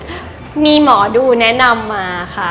ก็มีหมอดูแนะนำมาค่ะ